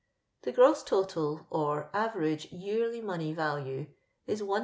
The gross total, or average yearly money value, is 1^00,^92